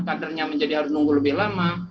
kadernya menjadi harus nunggu lebih lama